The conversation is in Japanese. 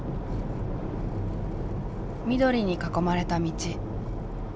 緑に囲まれた道。